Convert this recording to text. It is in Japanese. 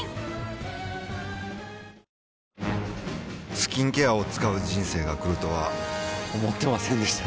スキンケアを使う人生が来るとは思ってませんでした